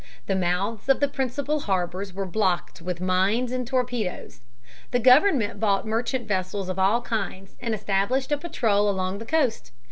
The mouths of the principal harbors were blocked with mines and torpedoes. The government bought merchant vessels of all kinds and established a patrol along the coast.